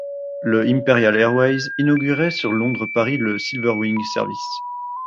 Le Imperial Airways inaugurait sur Londres-Paris le ‘Silver Wing’ service.